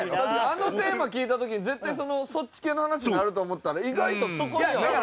あのテーマ聞いた時に絶対そっち系の話になると思ったら意外とそこには。